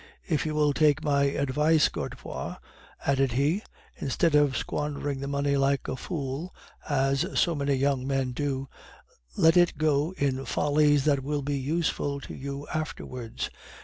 'If you will take my advice, Godefroid,' added he, 'instead of squandering the money like a fool, as so many young men do, let it go in follies that will be useful to you afterwards.